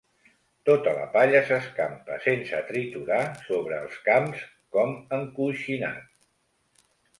Tota la palla s'escampa sense triturar sobre els camps com encoixinat.